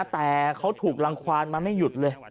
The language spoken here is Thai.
แต่เขาถูกรังความมาไม่หยุดเลย